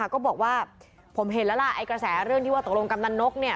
ก็บอกว่าผมเห็นแล้วล่ะไอ้กระแสเรื่องที่ว่าตกลงกำนันนก